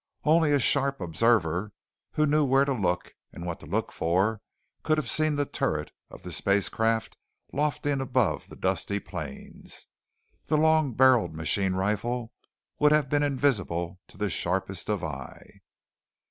Only a sharp observer who knew where to look and what to look for could have seen the turret of the spacecraft lofting above the dusty plains. The long barrelled machine rifle would have been invisible to the sharpest of eye.